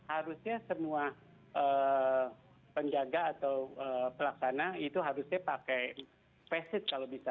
harusnya semua penjaga atau pelaksana itu harusnya pakai pesit kalau bisa